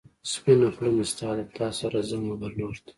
سپينه خلۀ مې ستا ده، تا سره ځمه بل لور ته